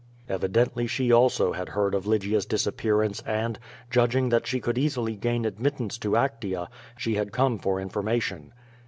Evidently she also had heard of Lygia's disappearance, and, judging that she could easily gain admittance to Actea, she had come for information.